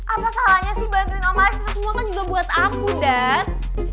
apa salahnya sih bantuin om alex itu semua kan juga buat aku dad